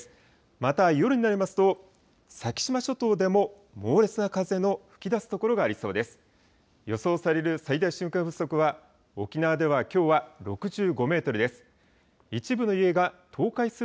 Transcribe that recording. また夜になりますと、先島諸島でも猛烈な風の吹き出す所がありそうです。